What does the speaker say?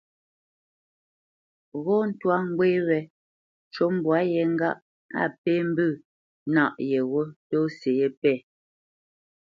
Ghɔ̂ ntwá ŋgwé wé ncu mbwá yé ŋgâʼ á pé mbə̂ nâʼ yeghó tɔ́si yépɛ̂.